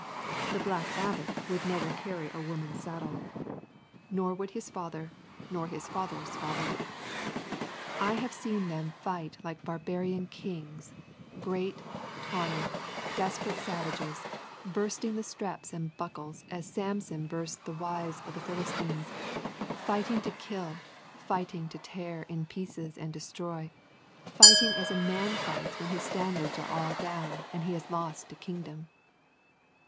The Black Abbot would never carry a woman's saddle, nor would his father nor his father's father. I have seen them fight like barbarian kings, great, tawny, desperate savages, bursting the straps and buckles as Samson burst the withes of the Philistines, fighting to kill, fighting to tear in pieces and destroy, fighting as a man fights when his standards are all down and he has lost a kingdom.